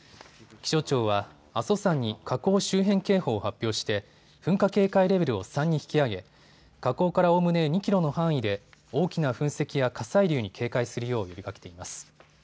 気象庁は阿蘇山に火口周辺警報を発表して噴火警戒レベルを３に引き上げ火口からおおむね２キロの範囲で大きな噴石や火砕流に警戒するよう呼びかけています。